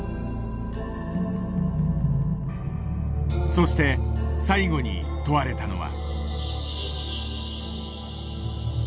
そして最後に問われたのは。